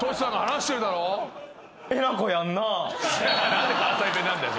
何で関西弁なんだよ。